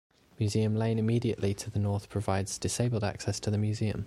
Museum Lane immediately to the north provides disabled access to the museum.